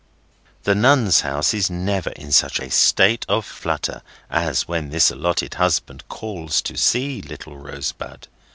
The Nuns' House is never in such a state of flutter as when this allotted husband calls to see little Rosebud.